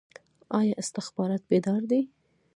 آیا استخبارات بیدار دي؟